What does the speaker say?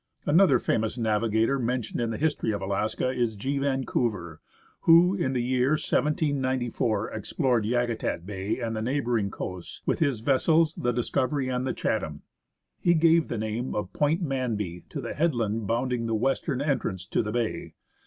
Another famous navigator mentioned in the history of Alaska is G. Vancouver, who, in the year 1794, explored Yakutat Bay and the neighbouring coasts with his vessels the Discovery and the Chatham. He gave the name of " Point Manby " to the headland bounding the western entrance to the bay.